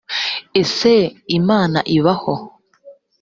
ese imana ibaho